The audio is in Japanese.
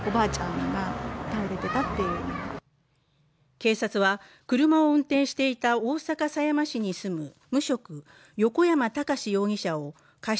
警察は車を運転していた大阪狭山市に住む無職、横山孝容疑者を過失